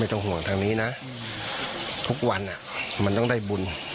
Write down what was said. ต้องห่วงทางนี้นะทุกวันมันต้องได้บุญ